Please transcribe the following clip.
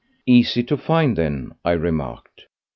"Easy to find, then," I remarked.